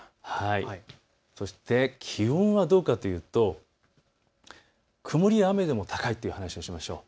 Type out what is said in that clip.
そして気温はどうかというと曇りや雨でも高いという話をしましょう。